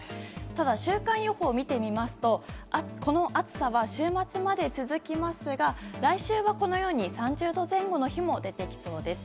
ただ、週間予報を見てみますとこの暑さは週末まで続きますが来週は３０度前後の日も出てきそうです。